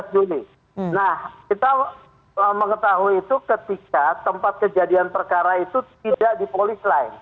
dua belas juni nah kita mengetahui itu ketika tempat kejadian perkara itu tidak di polis lain